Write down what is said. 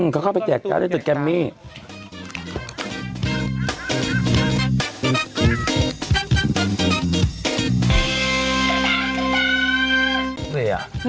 เขาเข้าไปแจกการ์ได้ตึกแกมมี่